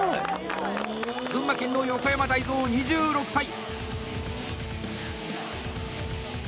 群馬県の横山大蔵、２６歳。